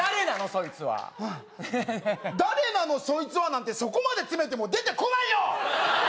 そいつはうん「誰なのそいつは」なんてそこまで詰めても出てこないよ